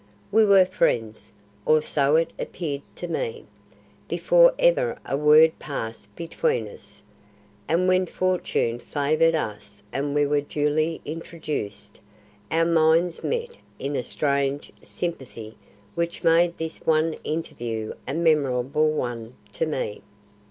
We were friends, or so it appeared to me, before ever a word passed between us, and when fortune favoured us and we were duly introduced, our minds met in a strange sympathy which made this one interview a memorable one to me.